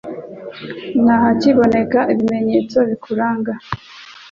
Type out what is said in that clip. Nta hakiboneka ibimenyetso bikuranga